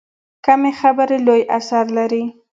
کمې خبرې، لوی اثر لري.